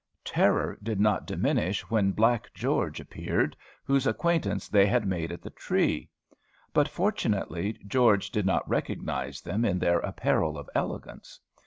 Terror did not diminish when black George appeared, whose acquaintance they had made at the tree. But fortunately George did not recognize them in their apparel of elegance.